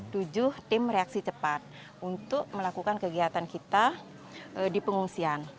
tujuh tim reaksi cepat untuk melakukan kegiatan kita di pengungsian